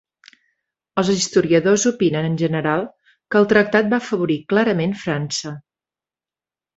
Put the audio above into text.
Els historiadors opinen en general que el tractat va afavorir clarament França.